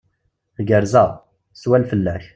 Gerrzeɣ. Swal fell-ak.